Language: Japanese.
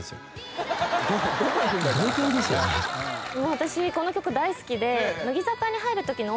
私この曲大好きで。